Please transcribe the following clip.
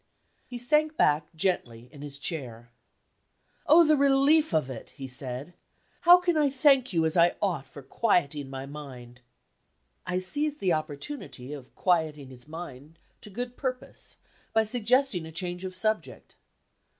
He sank back gently in his chair. "Oh, the relief of it!" he said. "How can I thank you as I ought for quieting my mind?" I seized the opportunity of quieting his mind to good purpose by suggesting a change of subject.